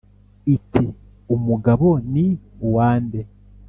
iti: umugabo ni uwa nde ?